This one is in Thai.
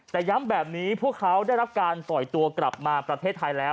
แต่ย้ำแบบนี้พวกเขาได้รับการปล่อยตัวกลับมาประเทศไทยแล้ว